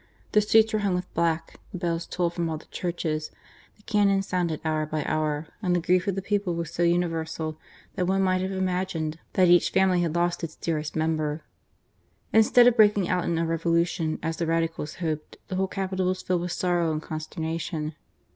The streets were hung with black, the bells tolled from all the churches, the cannon sounded hour by hour, and the grief of the people was so universal that one might have imagined that each family had lost its dearest member. Instead of breaking out in a Revolution, as the Radicals hoped, the whole capital was filled with sorrow and consternation.